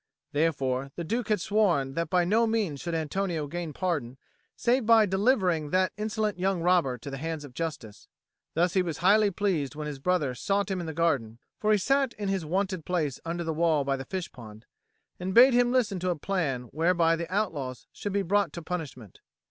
Therefore the Duke had sworn that by no means should Antonio gain pardon save by delivering that insolent young robber to the hands of justice. Thus he was highly pleased when his brother sought him in the garden (for he sat in his wonted place under the wall by the fish pond) and bade him listen to a plan whereby the outlaws should be brought to punishment.